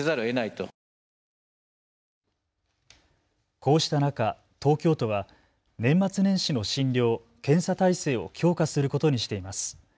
こうした中、東京都は年末年始の診療・検査体制を強化することにしています。